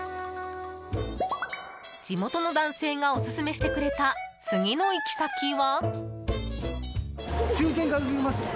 地元の男性がオススメしてくれた次の行き先は。